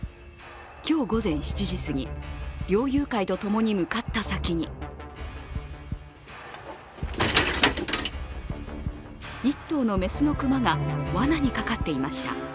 今日午前７時すぎ、猟友会と共に向かった先に１頭の雌の熊がわなにかかっていました。